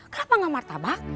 kenapa gak martabak